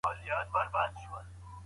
دا هغه کشف و چې د زړه په سترګو لیدل کېده.